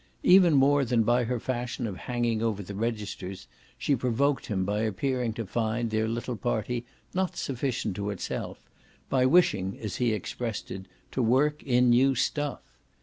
Even more than by her fashion of hanging over the registers she provoked him by appearing to find their little party not sufficient to itself, by wishing, as he expressed it, to work in new stuff.